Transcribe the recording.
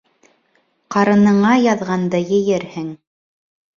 Ҡарыныңа яҙғанды ейерһең